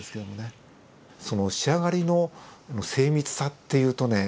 その仕上がりの精密さっていうとね